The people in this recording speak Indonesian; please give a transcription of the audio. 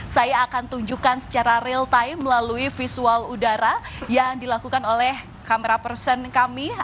saya akan tunjukkan secara real time melalui visual udara yang dilakukan oleh kamera person kami